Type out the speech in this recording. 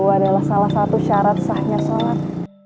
adalah salah satu syarat sahnya sholat